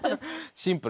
シンプル。